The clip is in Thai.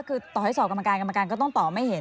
คือต่อให้สอบกรรมการกรรมการก็ต้องตอบไม่เห็น